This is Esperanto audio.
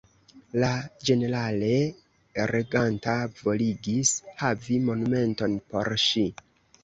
La ĝenerale reganta voligis havi monumenton por ŝi.